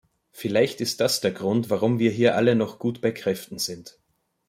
Vielleicht ist das der Grund, warum wir hier alle noch gut bei Kräften sind.